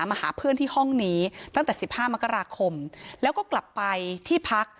มาหาเพื่อนที่ห้องนี้ตั้งแต่สิบห้ามกราคมแล้วก็กลับไปที่พัก